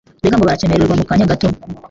Mbega ngo baracemererwa mu kanya gato